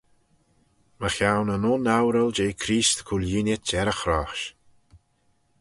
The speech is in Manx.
Mychione yn un oural jeh Creest cooilleenit er y chrosh.